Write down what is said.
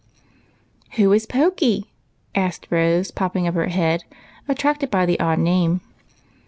" Who is Pokey ?" asked Rose, popjnng up her head, attracted by the odd name.